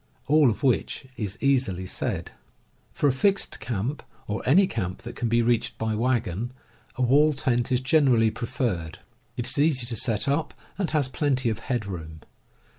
All of which is easily said. For a fixed camp, or any camp that can be reached by wagon, a wall tent is generally preferred. It is easy ^.^ to set up, and has plenty of head room.